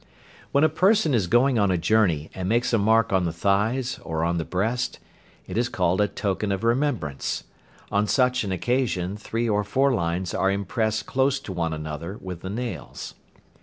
When a person is going on a journey, and makes a mark on the thighs, or on the breast, it is called a "token of remembrance." On such an occasion three or four lines are impressed close to one another with the nails.